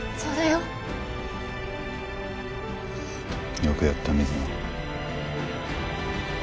よくやった水野。